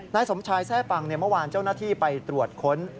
นายสมชายแทร่ปังเมื่อวานเจ้าหน้าที่ไปตรวจค้น